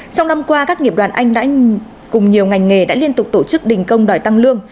trong năm qua các nghiệp đoàn anh cùng nhiều ngành nghề đã liên tục tổ chức đình công đòi tăng lương